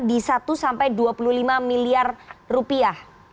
di satu sampai dua puluh lima miliar rupiah